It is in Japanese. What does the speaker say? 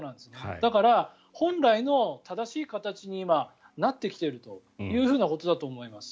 だから、本来の正しい形に今、なってきているということだと思います。